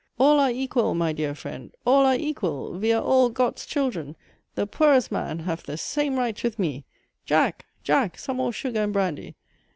"All are equal, my dear friend! all are equal! Ve are all Got's children. The poorest man haf the same rights with me. Jack! Jack! some more sugar and brandy.